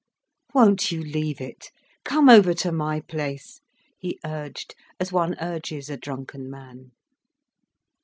"Won't you leave it? Come over to my place"—he urged as one urges a drunken man.